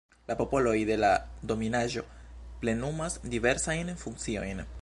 La popoloj de la dominaĵo plenumas diversajn funkciojn.